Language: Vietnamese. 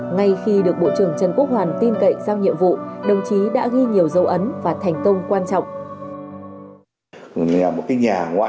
ngay khi được bộ trưởng trần quốc hoàn tin cậy giao nhiệm vụ đồng chí đã ghi nhiều dấu ấn và thành công quan trọng